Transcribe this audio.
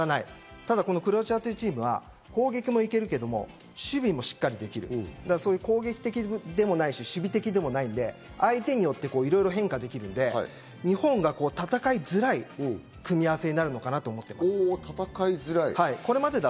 ただクロアチアというチームは攻撃も行けるけど守備もしっかりできる、攻撃的でもないし、守備的でもないので相手によっていろいろ変化できるので、日本が戦いづらい組み合わせになるのかなと思っています。